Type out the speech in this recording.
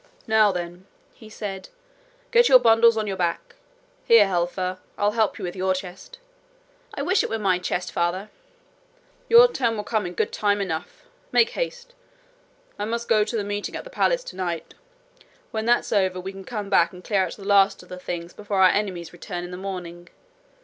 'Now, then,' he said, 'get your bundles on your backs. Here, Helfer, I'll help you up with your chest.' 'I wish it was my chest, father.' 'Your turn will come in good time enough! Make haste. I must go to the meeting at the palace tonight. When that's over, we can come back and clear out the last of the things before our enemies return in the morning.